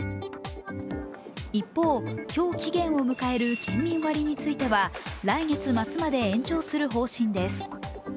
一方、今日期限を迎える県民割については、来月末まで延長する方針です。